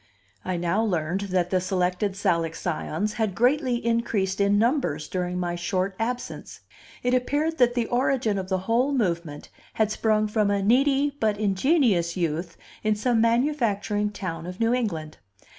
I now learned that the Selected Salic Scions had greatly increased in numbers during my short absence. It appeared that the origin of the whole movement had sprung from a needy but ingenious youth in some manufacturing town of New England.